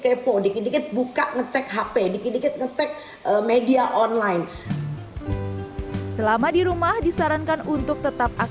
kepo dikit dikit buka ngecek hp dikit dikit ngecek media online selama di rumah disarankan untuk tetap